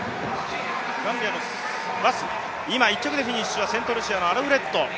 今１着でフィニッシュはセントルシアのアルフレッド。